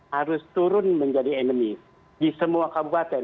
harus turun menjadi endemi di semua kabupaten